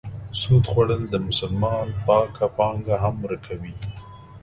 سود خوړل د مسلمان پاکه پانګه هم ورکوي.